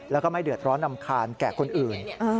แล้วก็ไม่เดือดร้อนรำคาญแก่คนอื่น